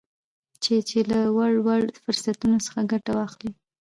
چې چې له وړ وړ فرصتونو څخه ګته واخلي